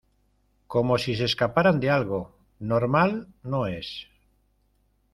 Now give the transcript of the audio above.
como si se escaparan de algo. normal no es .